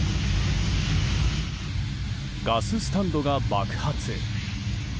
ガススタンドが爆発。